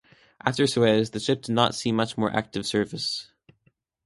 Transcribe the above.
After Suez, the ship did not see much more active service.